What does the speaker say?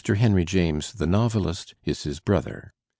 Henry James, the novehst, is his brother.